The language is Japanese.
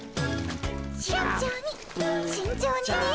慎重に慎重にね。